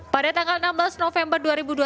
pada tanggal enam belas november dua ribu dua puluh